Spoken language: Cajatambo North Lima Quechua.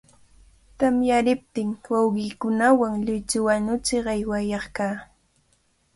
Tamyariptin, wawqiikunawan lluychu wañuchiq aywaq kaa.